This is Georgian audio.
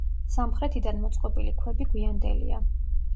სამხრეთიდან მოწყობილი ქვები გვიანდელია.